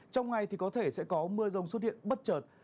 trong ngày thì có thể sẽ có mưa rông xuất hiện bất chợt